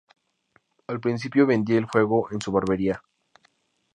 Al principio vendía el juego en su barbería.